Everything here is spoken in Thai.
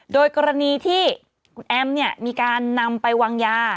โดยกรณีที่คุณแอมมีการนำไปวางยา